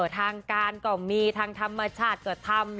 ทางการก็มีทางธรรมชาติก็ทำ